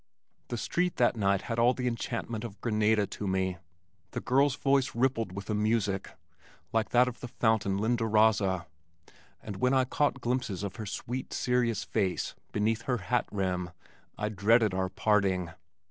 The street that night had all the enchantment of Granada to me. The girl's voice rippled with a music like that of the fountain Lindarazza, and when I caught glimpses of her sweet, serious face beneath her hat rim, I dreaded our parting.